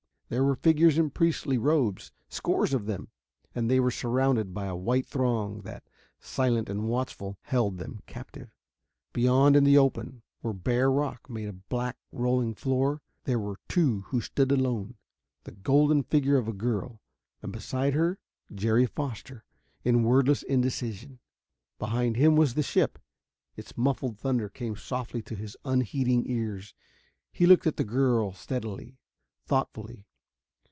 There were figures in priestly robes scores of them and they were surrounded by a white throng that, silent and watchful, held them captive. Beyond, in the open, where bare rock made a black rolling floor, there were two who stood alone. The golden figure of a girl, and beside her, Jerry Foster, in wordless indecision. Behind him was the ship. Its muffled thunder came softly to his unheeding ears. He looked at the girl steadily, thoughtfully.